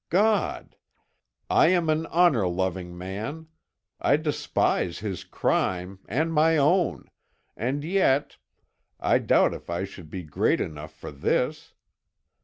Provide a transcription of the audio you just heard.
God! I am an honor loving man; I despise his crime, and my own; and yet, I doubt if I should be great enough for this.